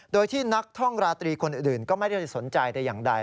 โดยที่นักท่องราตรีคนอื่นก็ไม่ได้สนใจแต่อย่างใด